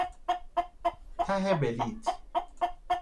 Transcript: ته بلیط